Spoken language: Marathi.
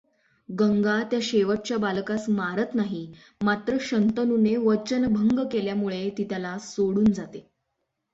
गंगा त्या शेवटच्या बालकास मारत नाही मात्र शंतनूने वचनभंग केल्यामुळे ती त्याला सोडून जाते.